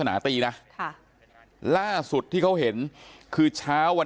นางมอนก็บอกว่า